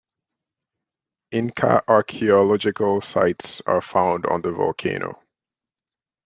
Inca archeological sites are found on the volcano.